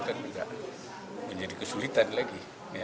akan menjadi kesulitan lagi